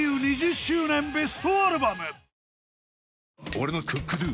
俺の「ＣｏｏｋＤｏ」！